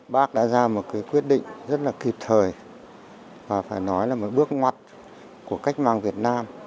bác đã ra một quyết định rất là kịp thời và phải nói là một bước ngoặt của cách mạng việt nam